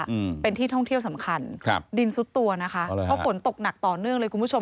อืมเป็นที่ท่องเที่ยวสำคัญครับดินซุดตัวนะคะเพราะฝนตกหนักต่อเนื่องเลยคุณผู้ชม